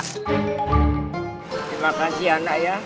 terima kasih anak ya